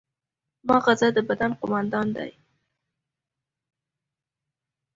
ماغزه د بدن قوماندان دی